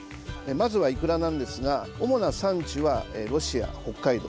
まずは、いくらなんですが主な産地はロシア、北海道。